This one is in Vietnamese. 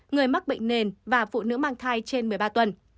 người mắc bệnh nền và phụ nữ mang thai trên một mươi ba tuần